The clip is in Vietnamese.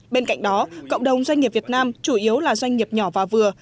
bên cạnh đó cộng đồng doanh nghiệp việt nam chủ yếu là doanh nghiệp nhỏ và vừa